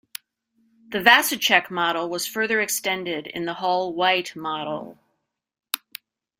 The Vasicek model was further extended in the Hull-White model.